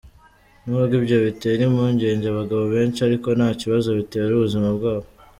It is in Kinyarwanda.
N’ubwo ibyo bitera impungenge abagabo benshi ariko nta kibazo bitera ubuzima bwabo.